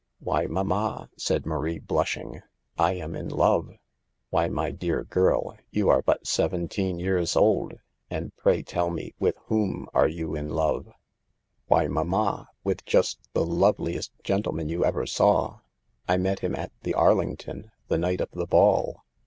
" "Why, mamma," said Marie, blushing, "1 am in love." « Why, my dear girl, you are but seventeen years old. And, pray tell me, with whom are you in love? " 70 SAVE THE GIRLS. " Why, mamma, with just the loveliest gen tleman you ever saw. I met him at the Ar lington, the night of the ball."